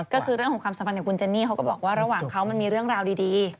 ก็คือเรื่องของความสัมพันธ์ของคุณเจนนี่เขาก็บอกว่าระหว่างเขามันมีเรื่องราวดี